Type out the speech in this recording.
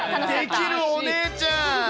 できるお姉ちゃん。